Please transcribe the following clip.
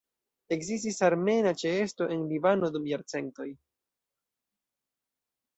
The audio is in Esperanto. Ekzistis armena ĉeesto en Libano dum jarcentoj.